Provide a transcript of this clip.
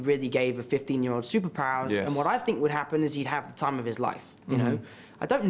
saya tidak berpikir bahwa dia akan tiba tiba menjadi seorang lelaki yang baik